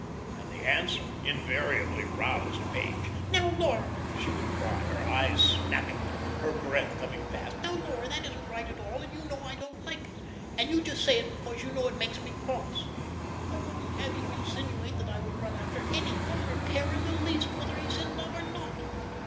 And the answer invariably roused Page. "Now, Laura," she would cry, her eyes snapping, her breath coming fast. "Now, Laura, that isn't right at all, and you know I don't like it, and you just say it because you know it makes me cross. I won't have you insinuate that I would run after any man or care in the least whether he's in love or not.